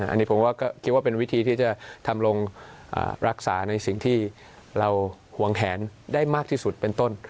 อันนี้ผมก็คิดว่าเป็นวิธีที่จะทำลงรักษาในสิ่งที่เราห่วงแขนได้มากที่สุดเป็นต้น